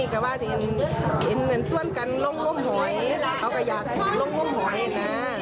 เขาก็อยากลงห่อนะ